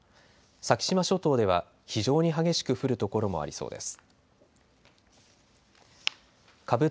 先島諸島では非常に激しく降る所もありそうです。